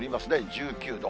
１９度。